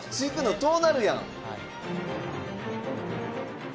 遠なるやん。